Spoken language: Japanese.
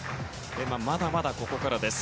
まだまだ、ここからです。